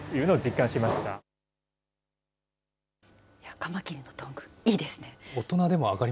カマキリのトング、いいですね。